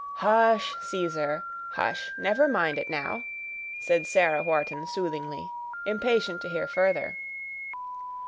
"Hush, Caesar—hush; never mind it now," said Sarah Wharton soothingly, impatient to hear further.